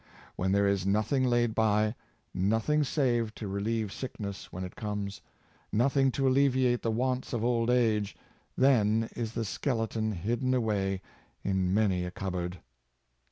When there is nothing laid by — nothing saved to re lieve sickness when it comes — nothing to alleviate the wants of old age — then is the skeleton hidden away in many a cupboard.